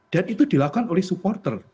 dan itu dilakukan oleh supporter